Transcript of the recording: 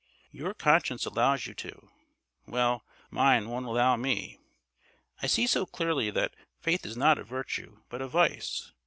Your conscience allows you to. Well, mine won't allow me. I see so clearly that faith is not a virtue, but a vice.